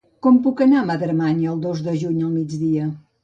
Com puc anar a Madremanya el dos de juny al migdia?